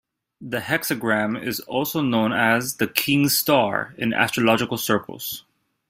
The hexagram is also known as the "King's Star" in astrological circles.